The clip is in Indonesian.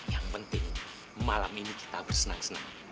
yang penting malam ini kita bersenang senang